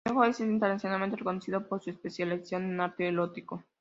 Gallego es internacionalmente reconocido por su especialización en arte erótico.